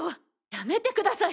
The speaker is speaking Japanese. やめてください。